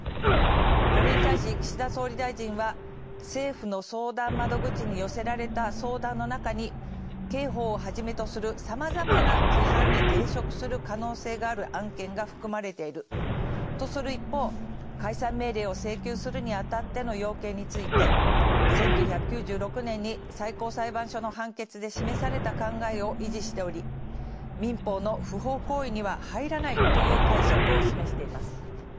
これに対し岸田総理大臣は政府の相談窓口に寄せられた相談の中に刑法をはじめとするさまざまな規範に抵触する可能性がある案件が含まれているとする一方解散命令を請求するにあたっての要件について１９９６年に最高裁判所の判決で示された考えを維持しており民法の不法行為には入らないという解釈を示しています。